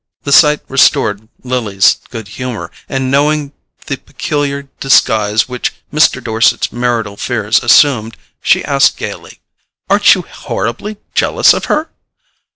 The sight restored Lily's good humour, and knowing the peculiar disguise which Mr. Dorset's marital fears assumed, she asked gaily: "Aren't you horribly jealous of her?"